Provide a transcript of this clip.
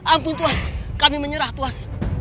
ampun tuhan kami menyerah tuhan